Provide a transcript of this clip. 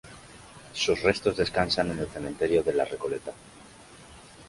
Sus restos descansan en el Cementerio de La Recoleta.